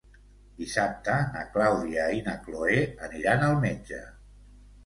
Dissabte na Clàudia i na Cloè aniran al metge.